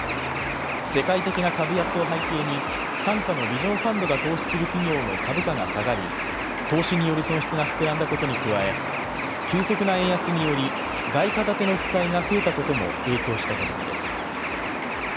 世界的な株安を背景に傘下のビジョン・ファンドが投資する企業の株価が下がり投資による損失が膨らんだことに加え急速な円安により外貨建ての負債が増えたことも影響した形です。